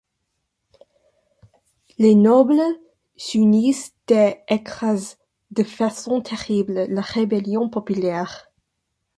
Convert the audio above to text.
Les nobles s'unissent et écrasent de façon terrible la rébellion populaire.